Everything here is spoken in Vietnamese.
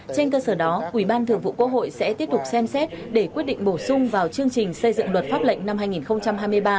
trên cơ sở đó ủy ban thường vụ quốc hội sẽ tiếp tục xem xét để quyết định bổ sung vào chương trình xây dựng luật pháp lệnh năm hai nghìn hai mươi ba